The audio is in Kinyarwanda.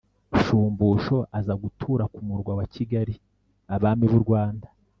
shumbusho, aza gutura ku murwa wa kigali. abami b'u rwanda